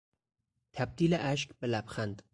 تبدیل اشک به لبخند